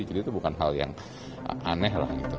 jadi itu bukan hal yang aneh